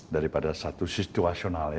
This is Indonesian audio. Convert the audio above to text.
daripada satu situasional